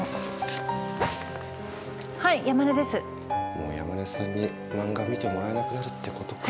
もう山根さんに漫画見てもらえなくなるってことかあ。